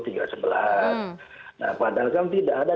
nah padahal kan tidak ada